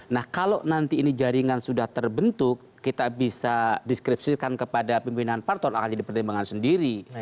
nah kalau nanti ini jaringan sudah terbentuk kita bisa deskripsikan kepada pimpinan partor akan jadi pertimbangan sendiri